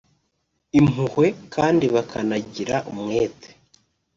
impuhwe kandi bakanagira umwete